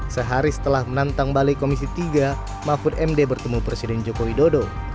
sehari setelah menantang balik komisi tiga mahfud md bertemu presiden jokowi dodo